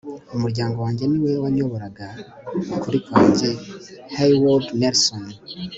umuryango wanjye niwe wanyoboraga ukuri kwanjye. - haywood nelson